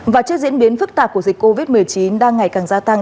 và trước diễn biến phức tạp của dịch covid một mươi chín đang ngày càng gia tăng